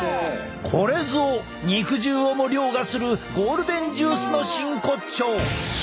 これぞ肉汁をも凌駕するゴールデンジュースの真骨頂！